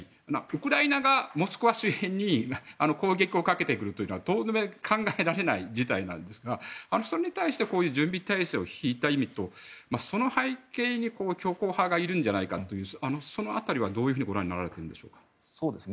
ウクライナがモスクワ周辺に攻撃をかけてくるというのは到底考えられない事態なんですがそれに対して準備体制を敷いた意味とその背景に強硬派がいるんじゃないかというその辺りはどういうふうにご覧になられているんでしょう。